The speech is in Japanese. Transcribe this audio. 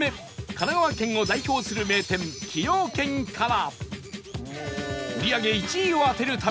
神奈川県を代表する名店崎陽軒から